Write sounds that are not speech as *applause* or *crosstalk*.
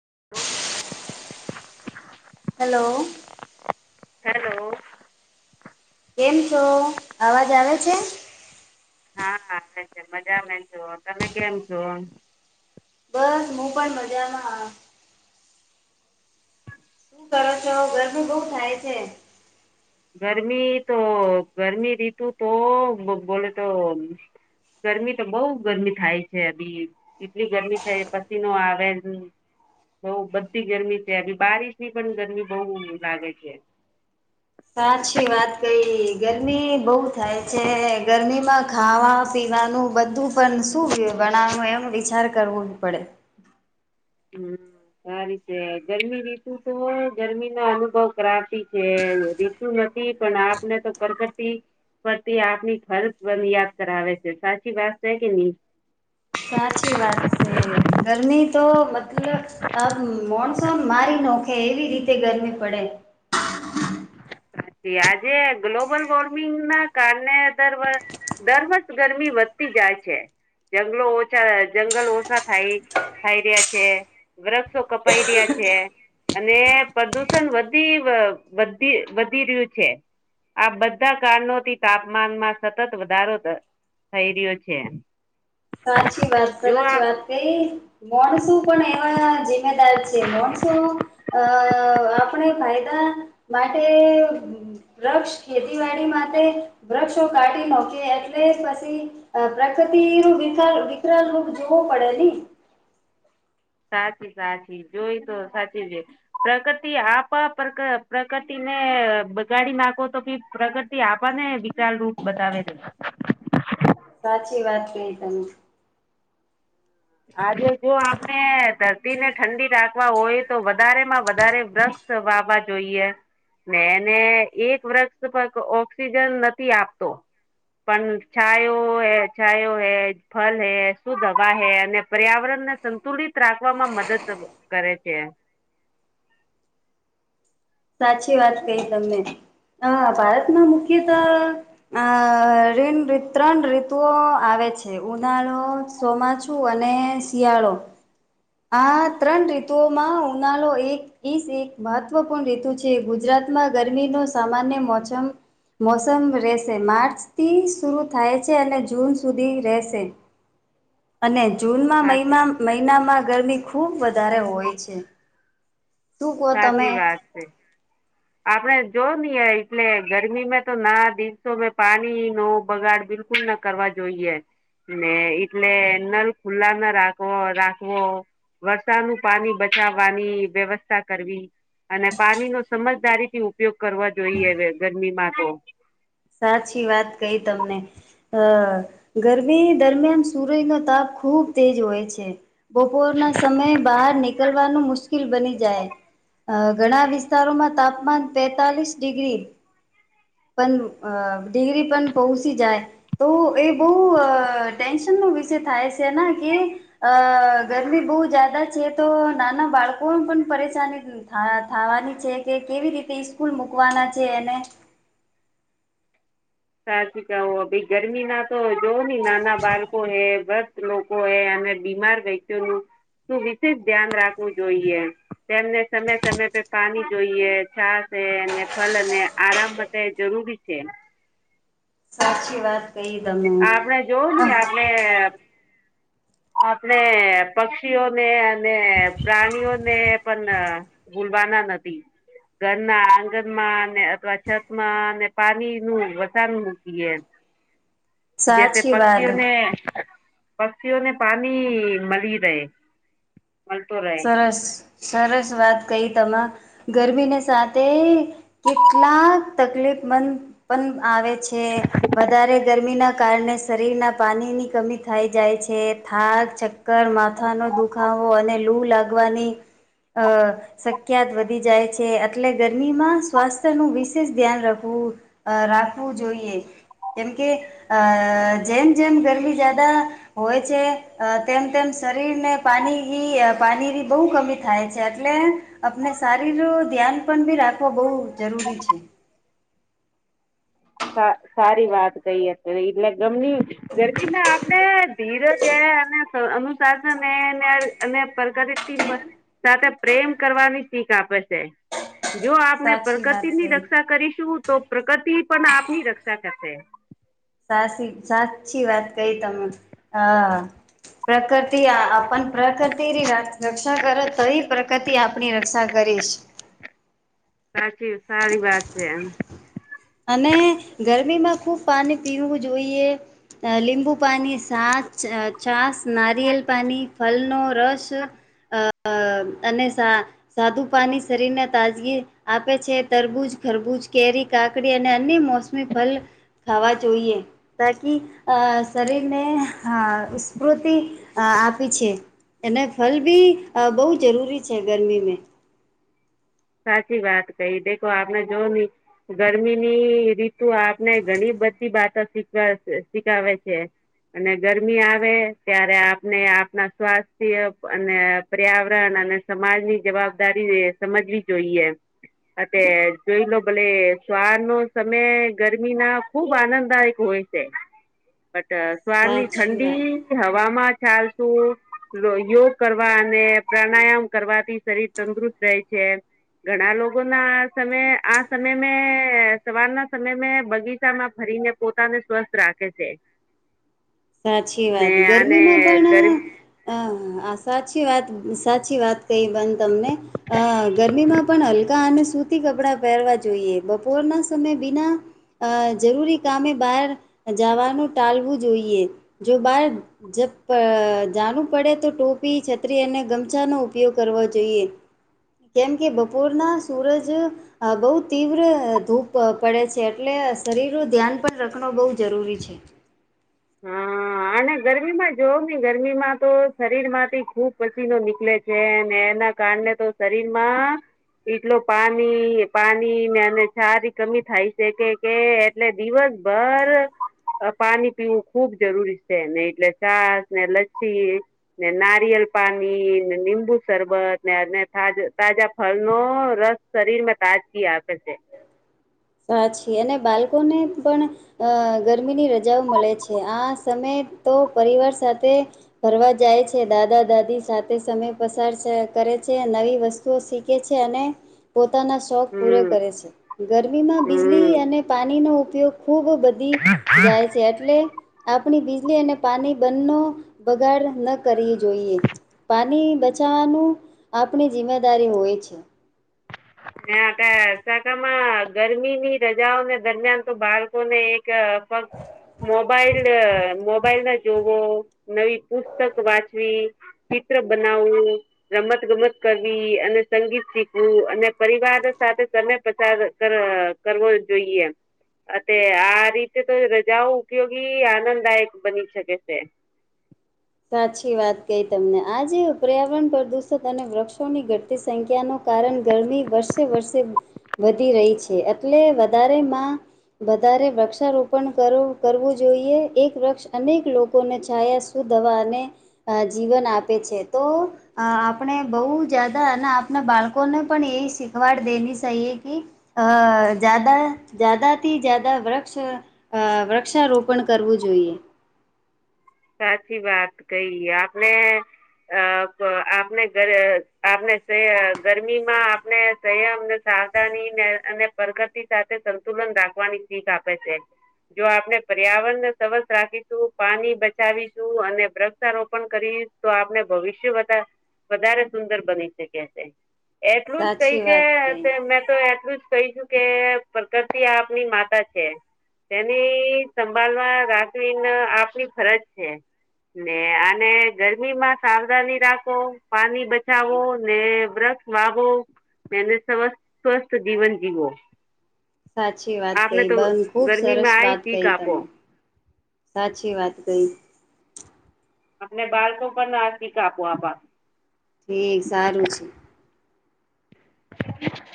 *inaudible* Hello. Hello. કેમ છો અવાજ આવે છે? હા મજામે છો તમે કેમ છો? બસ હુ પણ મજામાં શું કરો છો ગરમી બોવ થાય છે. ગરમી તો ગરમી રીતુ તો બોલે તો ગરમી તો બોવ ગરમી થાય છે, બી કેટલી ગરમી છે, પસીનો આવેન બોવ બધી ગરમી છે, બારિશની પણ ગરમી બોવ લાગે છે. સાચી વાત કઈ ગરમી બોવ થાય છે, ગરમીમાં ખાવા પી વાનું બધું પણ શું કે ગણાનુ એમ વિચાર કરવો પડે હમ. સારી છે ગરમી રીતુ તો ગરમી ના અનુભવ ક્રાફી છે, રીતુ નથ થઈ પણ આપને તો કરકતી પતિ આપની ખર યાદ કરાવે છે, સાચી વાત છે કે ની સાચી વાત છે, ગરમી તો મતલબ આ મોણસો મારી નોખે એવી રીતે ગરમી પડે- પછી આજે ગ્લોબલ વોર્મિંગ ના કારણે દર- દર વર્ષ ગરમી વધતી જાય છે. જંગલો ઓછા જંગલ ઓછા થાય થાય રહ્યા છે વૃક્ષો કપાઈ રહ્યા છે. છે અને પ્રદુષણ વધી વ વધી વધી રહ્યું છે. આ બધા કારણોથી તાપમાનમાં સતત વધારો ધ થઈ રહ્યો છે. સાચી વાત જો સરસ આ વાત કણ શું પણ એવા છે માણસો અ આપણે ફાયદા માટે વૃક્ષ ખેતીવાડી માટે વૃક્ષો કાઢી નાખે એટલે *unintelligible* પ્રકૃતિ બ વિકરાળ રૂપ જોવો પડે ને. સાચી સાચી જોય તો સાચી છે પ્રકૃતિ આપ પ્ર પ્રકૃતિ બગાડી નાખો તો ભી પ્રગતિ આપવાને વિકાલ રૂપ બતાવે છે. *inaudible* સાચી વાત કઈ તમે. આજે જો આપણે ધરતી ને ઠંડી રાખવા હોય તો વધારે માં વધારે વૃક્ષ વાવા જોઈએ. ને એક વર્ક્ષ ઓક્સિજન નથી આપતો. પણ છો હૈ છાયો હૈ, ફલ હૈ, શુદ્ધ હવા હૈ અને પર્યાવરણ ને સંતુલિત રાખવામાં મદદ કરે છે. *inaudible* સાચી વાત કહી તમને. અ ભારતમાં મુખ્યત આ રણ ત્રણ ઋતુઓ આવે છે ઉનાળો સોમાછું અને શિયાળો આ ત્રણ તુઓમાં ઉનાળો એક ઈસ એક મહત્વ રેતુ છે ગુજરાતમાં ગરમી ન સામાન્ય મોસમ મોસમ રહેશે માર્ચ થી શરું થાય છે અને જૂન સુધી રહેશે. અને જ જૂનમાં સાચી મહિમા મહિનામાં ગરમી ખુબ વધારે હોય છે. તું કહો તમે? સાચી વાત *inaudible* આપણે જોવ ની એટલે ગરમી મે તો ના દિવસો પાણી ન બગાડ બિલકુલ પૂર્ણ કરવા જોઈએ. ને એટલે નલ ખુલ્લા ના રાખો રાખવો. વરસાદનું પાણી બચાવવાની વ્યવસ્થા કરવી. અને પાણી નો સમજદારી થી ઉપયોગ કરવા જોઈએ હવે ગરમીમાં તો. સાચી વાત કઈ તમને અ ગરમી દરમિયાન સુરજ ન તાપ ખુબ તેજ હોય છે. બપોરના સમયે બહાર નીકળવાનું મુશ્કેલ બની જાય. ઘણા વિસ્તારોમાં તાપમાન પેતાલીસ ડિગ્રી પણ અ ડિગ્રી પણ પહોંચી જાય તો એ બહુ ટેન્શન નો વિષય થાય છે. કે અ ગરમી બહુ જાદા છે તો નાના બાળકો પણ પરેશાની થવાની છે કે કેવી રીતે સ્સ્કૂલ મૂકવાના છે એને? *inaudible* સાચી કો ભી ગરમી ના તો જોઓ ને નાના બાળકો હૈ ભત લોકો હૈ બીમાર વ્યક્તિનું શ વિશેષ ધ્યાન રાખવું જોઈએ. તેમને સમય સમય પે પાણી જોઈએ છાસ અને ફલ અને આરામ માટે જરૂર જોબી છે. સાચી વાત કઈ આપણે જોવ તમે. ને આપણે આપણે પક્ષીઓને અને પ્રાણીઓને પણ ભૂલવાના નથી ઘરના આંગણમાં અથવા છત માં પાણી નું વસાન મૂકીએમ જે તે સાચી વાત પક્ષીઓને પક્ષીઓને પાણી મળી રહે. મળતો રહે. સરસ સરસ વાત કહી ગરમીને સાથે કેટલાક તકલીફ મન આવે છે વધારે ગરમી ના ના કારણે શરીરના પાણીની કમી થાય જાય છે થાક ચક્કર માથાનો દુખાવો હ અને લું લાગવાની અ શક્યાત વધી જાય છે, એટલે ગરમીમાં સ્વાસ્થ્ય નું વિશેષ ધ્યાન રાખવું રાખવું જોઈએ. જેમ કે અ જેમ જેમ ગરમી જદા હોય છે, તેમ તેમ શરીરને પાણી પાણીની બહુ કમી થાય છે એટલે આપને સારીર ધ્યાન પણ બી રાખવ બહુ જરૂરી. હોય છે. *inaudible* સારી વાત કઈ અત્યારે એટલે ગમતી ગરમીમાં આપણે ધીરજ *unintelligible* સાથે પ્રેમ કરવાની શીખ આપે છે. જો આપણે સાચી વાત પ્રકૃતિની કહી રક્ષા કરીશું તો પ્રકૃતિ પણ આપની રક્ષા કરશે. સાચી સાચી વાત કહી તમે આ આપ પ્રકૃતિ રક્ષા કરો તો એ પ્રકૃતિ આપની રક્ષા કરીશ. *inaudible* સાચી સારી વાત છે એમ. અને ગરમીમાં ખુબ પાણી પીવું જોઈએ લીંબુ પાણીની સાસ છાસ નારિયેલ પાણી ફલનો રસ અ અ અને સાદું પાણી શરીરને તાજગી આપે છે. તરબૂજ ખરબૂજ કેરી કાકડી અને અન્ય મોસમી ફલ. ખાવા જોઈએ તાકી શરીરને સ્ફૂર્તિ આપી છે એને ફલ બી બહુ જરૂરી છે ગરમીમે. સાચી વાત કઈ દેખો આપણે જો ગરમીની રીતુ આપણે ઘણી બધી બાતો શીખ શીખાવે છે. અને ગરમી આવે ત્યારે આપને આપણા સ્વાસ્થ્ય અને પર્યાવરણ અને સમાજ ની જવાબદારી સમજવી જોઈએ. અ જોઈ લો ભલે સવાર નો સમય ગરમી ના ખુબ આનંદદાયક હોય હોય છે, બટ સ્વાર ની સાચી વાત. ઠંડી હવામાં ચાલતું યોગ કરવા અને પ્રાણાયામ કરવાથી શરીર તંદુરસ્ત રહે. છે. ઘણા લોકો ના સમય આ સમય મે સવારના સમય મે બગીચામાં ભરીને પોતાને સ્વસ્થ રાખે છે. સાચી ને વાત આને ગરમીમાં પણ ગર આ સાચ સાચી વાત સાચી વાત કહી તમને ગરમીમાં પણ હલકા અને સુતી કપડાં પહેરવા જોઈએ બપોરના સમયે બિના અ જરૂરી કામે બહાર જવાનું ટાલવું જોઈએ. જો બાર જણું પડે તો ટોપી છત્રી અને ગમછાનો ઉપયોગ કરવા જોઈએ. કેમ કે બપોરના સૂરજ બહુ તીવ્ર ધૂપ પડે છે એટલે શરીર નું ધ્યાન પણ રાખણું બહુ જરૂરી છે. હા. હા અને ગરમીમાં જોવ ને ગરમી માં તો શરીર માંથી ખુબ પસીનો નીકળે છે ને એ ના કારણે તો શરીર માં એટલો પાણી પાણી અને છા થી કમી થાય છે કે કે એટલે દિવસ બર પાણી પીવું ખુબ જરૂરી છે ને એટલે ચાસ ને લચ્છી ને નારિયલ પાણી લીંબુ શરબત ને તાજા ફળનો રસ શરીરમાં તાજગી આપે છે. *inaudible* સાચી અને બાળકોને પણ અ ગરમીની રજાઓ મળે છે આ સમયે તો પરિવાર સાથે ફરવા જાય છે. દાદા દાદી સાથે સમય પસાર છે તો રે છે નવી વસ્તુઓ શીખે છે અને પોતે પોતાના શોખ પૂરે હમ કરે છે. ગરમીમાં બીજળી હમ અને પાણીનો ઉપયોગ ખૂબ બધી જાય છે એટલે આપણી બીજળી અને પાણી બંનો બગાડ ન કરવી જોઈએ પાણી બચાવાનું આપણી જિમ્મેદારી હોય છે. હ શાકામાં ગરમીની રજાઓને દરમિયાન તો બાળકોને એક તો પણ મોબાઈલ મોબાઈલ ના જોવો નવી પુસ્તક વાંચવી ચિત્ર બનાવવું રમત ગમત કરવી અને સંગીત શીખવું અને પરિવાર સાથે તમે પસાર કરવો જોઈએ. અ આ રીતે તો રજાઓ ઉપયોગી આનંદદાયક બની શકે છે. *inaudible* સાચી વાત કહી તમને આજે પર્યાવરણ પ્રદૂષણ અને વૃક્ષોની ઘટતી સંખ્યાનો કારણ ગરમી વર્ષે વર્ષે વધી રહી છે એટલે વધારેમાં વધારે વૃક્ષારોપણ કરવું કરવું જોઈએ એક વૃક્ષ અનેક લોકોને છાયા સુ દવા અને જીવન આપે છે તો આપણે બહુ જદા અને આપ બાળકોને પણ એ શીખવાડ દેની છે કે જાદાથી જાદાથી જ્યાદા વૃક્ષ વૃક્ષારોપણ કરવું જોઈએ. *inaudible* સાચી વાત કહી આપને આપને ઘરે આપને ગરમી માં આપને સંયમ સાવધાની અને પ્રગતિ સાથે સંતુલન રાખવાની શીખ આપે છે. જો આપણે પર્યાવરણ ને સ્વસ્થ રાખીશું પાણી બચાવીશું અને વૃક્ષારોપણ કરીશ તો આપણે ભવિષ્ય બધા વધારે સુંદર બની શકે છે. એટલું જ સાચી વાત કઈ છે મેં તો એટલું જ કહીશું કે પ્રકૃતિ આપની માતા છે. તેની સંભળવા રાખવીને આપની ફરજ છે. ને અને ગરમીમાં સાવધાની રાખો પાણી બચાવો ને બ્રશ વાવો મેને સ્વસ સ્વસ્થ જીવન જીવો. સાચી વાત આપને કહી તો બંધ ખુબ સરસ ગરમીમાં આ વાત શીખ કહી આપો તમે. સાચી વાત કઈ. આપને બાળકો પણ ના શીખ આપો આપ. ઠીક સારું છે. *inaudible*